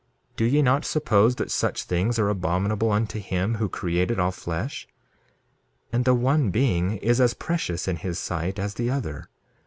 2:21 Do ye not suppose that such things are abominable unto him who created all flesh? And the one being is as precious in his sight as the other.